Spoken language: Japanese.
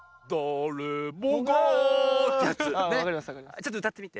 ちょっとうたってみて。